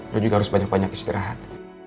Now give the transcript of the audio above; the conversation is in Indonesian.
lo juga harus banyak banyak istirahat